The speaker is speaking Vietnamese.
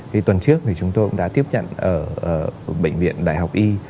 cái tuần trước thì chúng tôi cũng đã tiếp nhận ở bệnh viện đại học y